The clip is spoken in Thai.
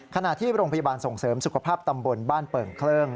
ขณะที่โรงพยาบาลส่งเสริมสุขภาพตำบลบ้านเปิ่งเคลิ่ง